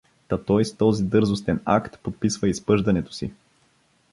— Та той с този дързостен акт подписва изпъждането си!